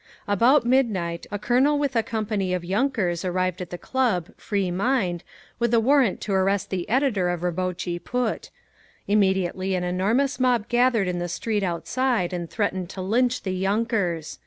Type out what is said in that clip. About midnight a Colonel with a company of yunkers arrived at the club "Free Mind," with a warrant to arrest the editor of Rabotchi Put. Immediately an enormous mob gathered in the street outside and threatened to lynch the _yunkers.